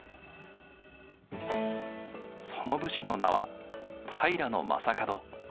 その武士の名は平将門。